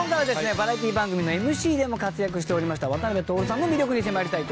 バラエティー番組のＭＣでも活躍しておりました渡辺徹さんの魅力に迫りたいと思います。